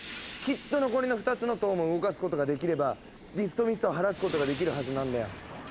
きっと残りの２つの塔も動かすことができればディストミストを晴らすことができるはずなんだよ。